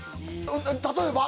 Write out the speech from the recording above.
例えば？